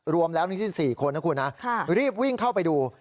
รวมแล้ว๔คนนะครับรีบวิ่งเข้าไปดู